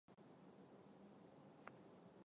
两个特许权系继承自卡尔顿电视。